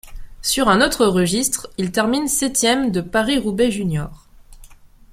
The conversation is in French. Sur un autre registre, il termine septième de Paris-Roubaix juniors.